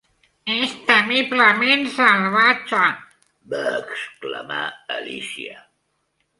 "És temiblement salvatge!" va exclamar Alícia.